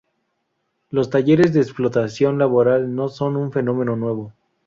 Los talleres de explotación laboral no son un fenómeno nuevo.